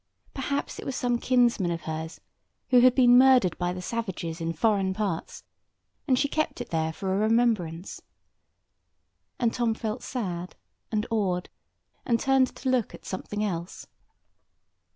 Perhaps it was some kinsman of hers, who had been murdered by the savages in foreign parts, and she kept it there for a remembrance." And Tom felt sad, and awed, and turned to look at something else.